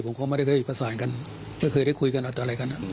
เขาก็ไม่ได้เคยประสานกันไม่เคยได้คุยกันอาจจะอะไรกัน